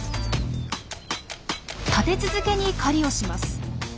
立て続けに狩りをします。